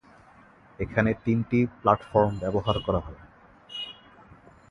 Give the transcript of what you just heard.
এখানে তিনটি প্ল্যাটফর্ম ব্যবহার করা হয়।